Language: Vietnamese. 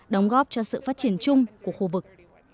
đóng góp cho sự phát triển chung của khu vực